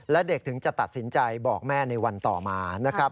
และเด็กถึงจะตัดสินใจบอกแม่ในวันต่อมานะครับ